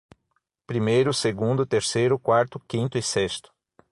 Primeiro, segundo, terceiro, quarto, quinto e sexto